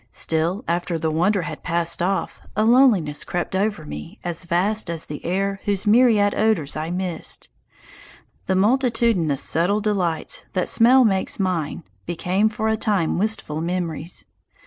Still, after the wonder had passed off, a loneliness crept over me as vast as the air whose myriad odours I missed. The multitudinous subtle delights that smell makes mine became for a time wistful memories.